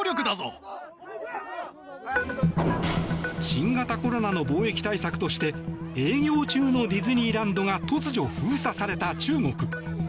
新型コロナの防疫対策として営業中のディズニーランドが突如封鎖された中国。